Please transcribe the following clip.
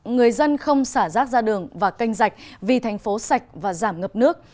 người dân không xả rác ra đường và canh rạch vì thành phố sạch và giảm ngập nước